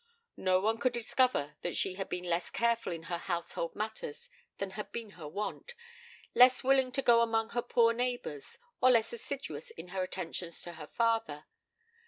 No one could discover that she had been less careful in her household matters than had been her wont, less willing to go among her poor neighbours, or less assiduous in her attentions to her father.